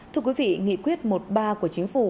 thưa quý vị nghị quyết một mươi ba của chính phủ